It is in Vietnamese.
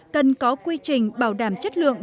cần có quy trình bảo đảm chất lượng